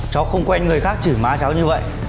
cháu không quen người khác chỉ má cháu như vậy